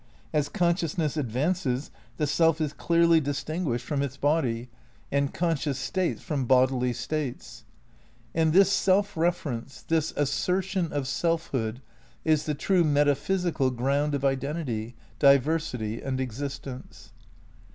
As conscious ness advances the self is clearly distinguished from its 234 THE NEW IDEALISM vi body and conscious states from bodily states, and this self reference, this assertion of selfhood is the true metaphysical ground of identity, diversity and exist ence.